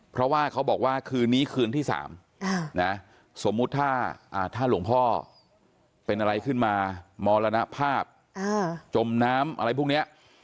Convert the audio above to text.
เพราะว่าเขาบอกว่าคืนนี้คืนที่๓สมมุติถ้าหลวงพ่อเป็นอะไรขึ้นมามรณภาพจมน้ำอะไรพวกนี้